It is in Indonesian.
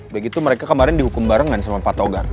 biar gitu mereka kemarin dihukum barengan sama fatogar